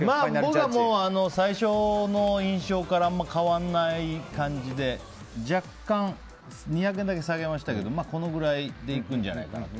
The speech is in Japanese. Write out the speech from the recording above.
僕は最初の印象からあんま変わんない感じで若干２００円だけ下げましたけどこのぐらいで行くんじゃないかと。